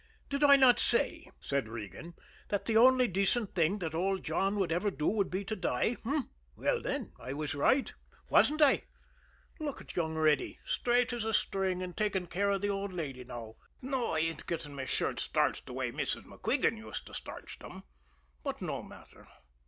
"Did I not say," said Regan, "that the only decent thing old John would ever do would be to die? H'm? Well, then, I was right, wasn't I? Look at young Reddy! Straight as a string and taking care of the old lady now. No; I ain't getting my shirts starched the way Mrs. MacQuigan used to starch them but no matter.